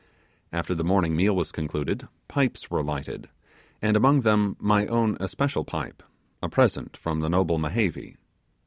After the morning meal was concluded, pipes were lighted; and among them my own especial pipe, a present from the noble Mehevi.